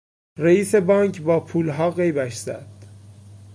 رئیس بانک با پولها غیبش زد.